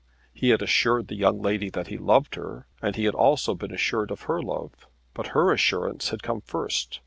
He had assured the young lady that he loved her, and he had also been assured of her love; but her assurance had come first.